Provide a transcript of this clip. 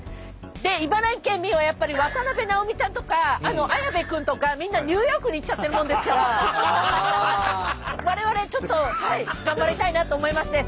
で茨城県民はやっぱり渡辺直美ちゃんとか綾部君とかみんなニューヨークに行っちゃってるもんですから我々ちょっと頑張りたいなと思いまして。